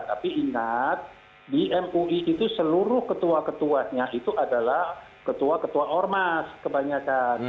tapi ingat di mui itu seluruh ketua ketuanya itu adalah ketua ketua ormas kebanyakan